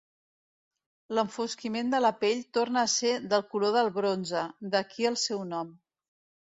L'enfosquiment de la pell torna a ser del color del bronze, d'aquí el seu nom.